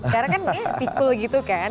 karena kan kayak tipe gitu kan